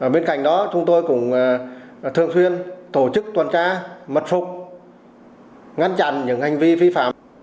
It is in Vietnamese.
bên cạnh đó chúng tôi cũng thường xuyên tổ chức tuần tra mật phục ngăn chặn những hành vi vi phạm